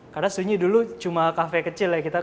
karena sunyi dulu cuma cafe kecil ya kita